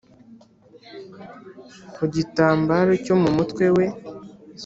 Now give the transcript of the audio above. Ku gitambaro cyo mu mutwe we,